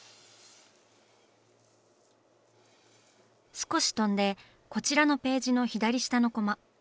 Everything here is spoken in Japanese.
少し飛んでこちらのページの左下のコマ。